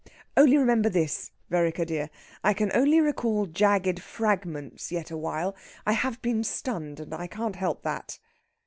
Only remember this, Vereker dear! I can only recall jagged fragments yet awhile. I have been stunned, and can't help that...."